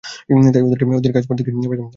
তাই ওদেরকে ওদের কাজ করতে দিয়ে বাসায় ফিরে এলাম।